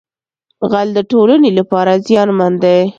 غل د ټولنې لپاره زیانمن دی